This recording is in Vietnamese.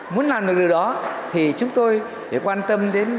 muốn làm được điều đó thì chúng tôi phải quan tâm đến cảm xúc